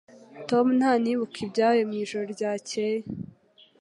Tom ntanibuka ibyabaye mwijoro ryakeye.